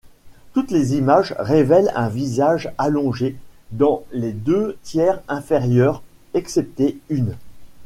Toutes les images révèlent un visage allongé dans les deux tiers inférieurs, exceptée une.